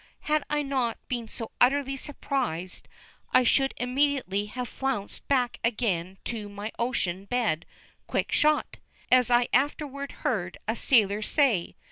Had I not been so utterly surprised, I should immediately have flounced back again to my ocean bed "quick shot," as I afterward heard a sailor say.